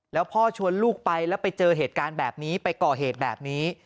แล้วพ่อชวนลูกไปแล้วไปเจอเหตุการณ์แบบนี้ไปก่อเหตุแบบนี้